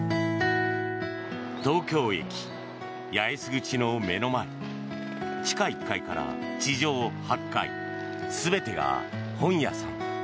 東京駅八重洲口の目の前地下１階から地上８階全てが本屋さん。